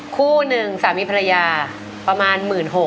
คู่หนึ่งสามีภรรยาประมาณ๑๖๐๐